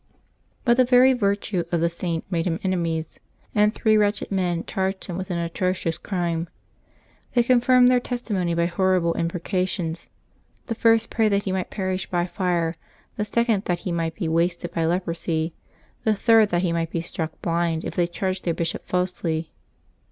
But the very virtue of the Saint made him enemies, and three wretched men charged him with an atrocious crime. They confirmed their testimony by horrible imprecations: the first prayed that he might perish by fire, the second that he might be wasted by leprosy, the third that he might be struck blind, if they charged their bishop falsely.